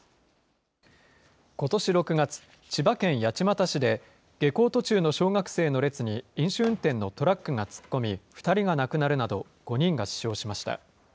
ことし６月、千葉県八街市で、下校途中の小学生の列に飲酒運転のトラックが突っ込み、２人が亡くなるなど、５人が死傷しました。